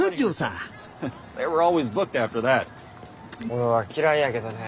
俺は嫌いやけどね